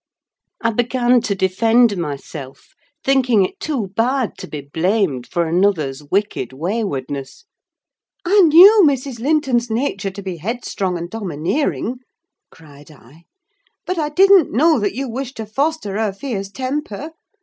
I began to defend myself, thinking it too bad to be blamed for another's wicked waywardness. "I knew Mrs. Linton's nature to be headstrong and domineering," cried I: "but I didn't know that you wished to foster her fierce temper!